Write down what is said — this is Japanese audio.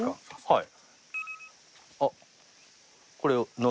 はい。